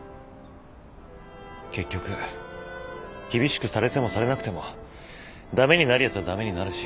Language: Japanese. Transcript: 結局厳しくされてもされなくてもダメになるヤツはダメになるし。